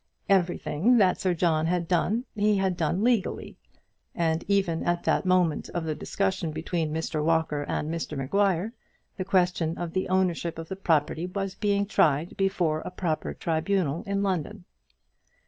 Everything that Sir John had done he had done legally; and even at that moment of the discussion between Mr Walker and Mr Maguire, the question of the ownership of the property was being tried before a proper tribunal in London.